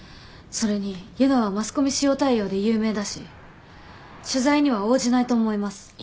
それに結奈はマスコミ塩対応で有名だし取材には応じないと思います。